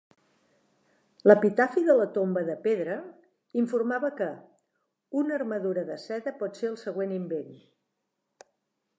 "L'epitafi de la tomba de pedra" informava que "una armadura de seda pot ser el següent invent.